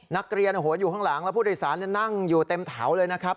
นักเรียนอยู่ข้างหลังแล้วผู้โดยสารนั่งอยู่เต็มแถวเลยนะครับ